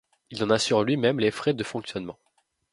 Il en assure lui-même les frais de fonctionnement.